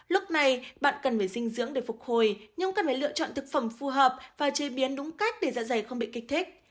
lúc này bạn cần phải dinh dưỡng để phục hồi nhưng cần phải lựa chọn thực phẩm phù hợp và chế biến đúng cách để da dày không bị kích thích